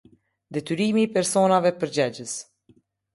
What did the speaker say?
Detyrimi i personave përgjegjës.